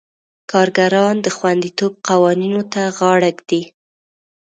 کارګران د خوندیتوب قوانینو ته غاړه ږدي.